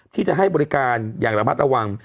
ที่จะให้บริการอย่างระมัดระวัง